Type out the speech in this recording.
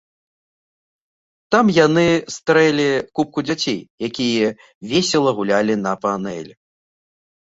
Там яны стрэлі купку дзяцей, якія весела гулялі на панелі.